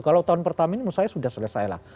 kalau tahun pertama ini saya sudah selesailah